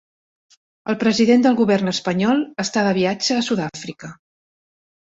El president del govern espanyol està de viatge a Sud-àfrica.